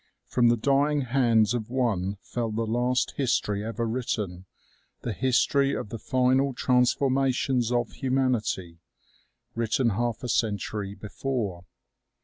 From the dying hands of one fell the last history ever written, the history of the final transformations of humanity, written half a century before.